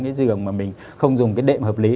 cái giường mà mình không dùng cái đệm hợp lý